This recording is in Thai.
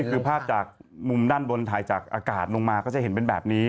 คือภาพจากมุมด้านบนถ่ายจากอากาศลงมาก็จะเห็นเป็นแบบนี้